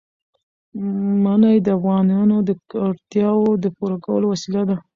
منی د افغانانو د اړتیاوو د پوره کولو وسیله ده.